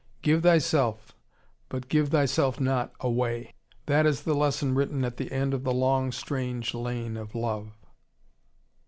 Give thyself, but give thyself not away. That is the lesson written at the end of the long strange lane of love.